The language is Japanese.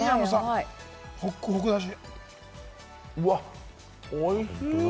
ホックホクだし！